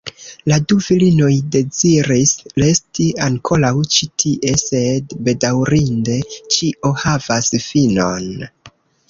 La du virinoj deziris resti ankoraŭ ĉi tie, sed bedaŭrinde ĉio havas finon.